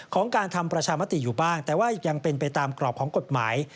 ของการทำประชามติอยู่บ้างแต่ว่ายังเป็นไปตามกรอบของกฎหมาย